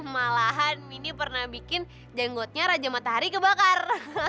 malahan mini pernah bikin jenggotnya raja matahari kebakar